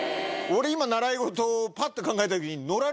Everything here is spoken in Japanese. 俺今習い事パッて考えた時に。